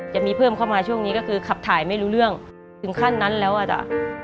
จะมีเพิ่มเข้ามาช่วงนี้ก็คือขับถ่ายไม่รู้เรื่องถึงขั้นนั้นแล้วอ่ะจ้ะ